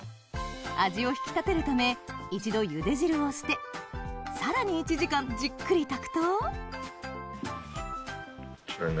味を引き立てるため一度ゆで汁を捨てさらに１時間じっくり炊くとこちらになります。